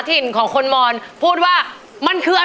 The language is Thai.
ชาวบ้านว่าอะไรไม่กลัว